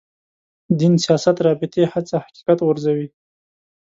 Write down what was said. دین سیاست رابطې هڅه حقیقت غورځوي.